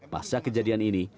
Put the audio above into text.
pasca kejadian ini